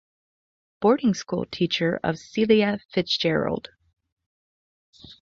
Boarding-school teacher of Celia Fitzgerald.